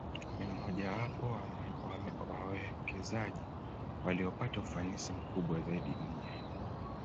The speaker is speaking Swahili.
Ni mmojawapo wa wawekezaji waliopata ufanisi mkubwa zaidi duniani